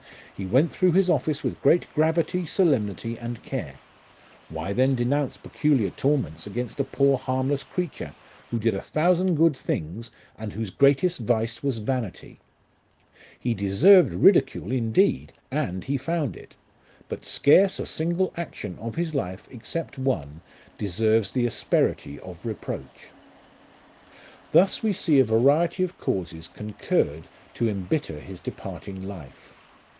He went through his office with great gravity, solemnity, and care ; why then denounce peculiar torments against a poor harmless creature, who did a thousand good things, 102 LIFE OF RICHARD NASH. and whose greatest vice was vanity ! He deserved ridicule, indeed, and he found it ; but scarce a single action of his life, except one, deserves the asperity of reproach. Thus we see a variety of causes concurred to embitter his departing life.